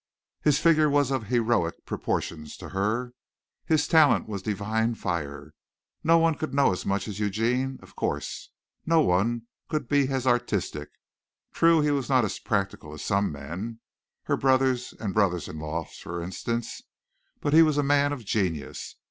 His figure was of heroic proportions to her. His talent was divine fire. No one could know as much as Eugene, of course! No one could be as artistic. True, he was not as practical as some men her brothers and brothers in law, for instance but he was a man of genius.